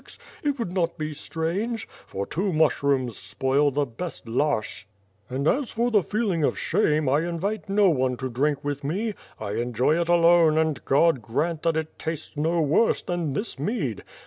ks, it would not be strange; for two mushrooms spoil the best larshch/ and as for the feel ing of shame, I invite no one to drink with me — I enjoy it alone and God grant that it tastes no worse than this mead.